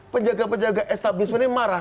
penjaga penjaga establismen ini marah